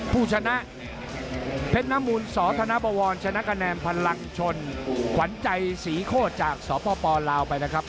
ผู้ชนะเพชรน้ำมูลสธนบวรชนะคะแนนพลังชนขวัญใจศรีโคตรจากสปลาวไปนะครับ